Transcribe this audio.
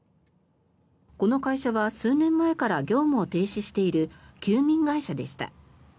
この会社は数年前から業務を停止している休眠会社でした。